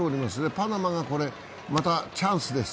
パナマが、これチャンスです。